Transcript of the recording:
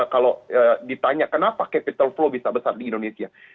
kalau ditanya kenapa capital flow bisa besar di indonesia